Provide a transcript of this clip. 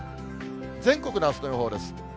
全国のあすの予報です。